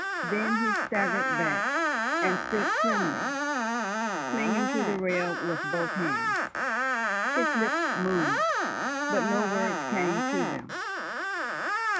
Then he staggered back, and stood trembling, clinging to the rail with both hands. His lips moved, but no words came to them.